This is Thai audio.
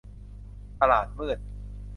ตลาดมืด